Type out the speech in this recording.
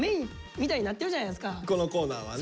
このコーナーはね。